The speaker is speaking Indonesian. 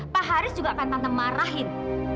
pak haris juga akan pantang marahin